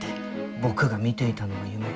僕が見ていたのは夢。